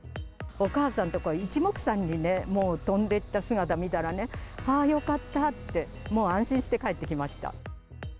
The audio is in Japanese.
お母さんのところにいちもくさんにもう、飛んで行った姿見たらね、ああ、よかったって、もう安心して帰ってきました。